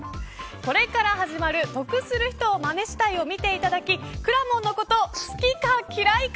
これから始まる得する人をマネしたいを見ていただきくらもんのこと好きなのか、きらいなのか。